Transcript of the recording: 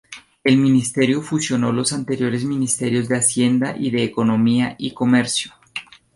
El Ministerio fusionó los anteriores ministerios de Hacienda y de Economía y Comercio.